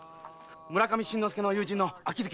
村上伸之助の友人の秋月です。